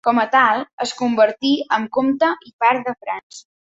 Com a tal, es convertí en comte i par de França.